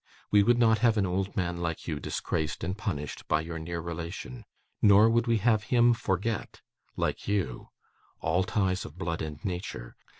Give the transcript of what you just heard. We would not have an old man like you disgraced and punished by your near relation; nor would we have him forget, like you, all ties of blood and nature.